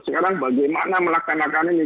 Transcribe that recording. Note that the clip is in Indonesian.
sekarang bagaimana melaksanakan ini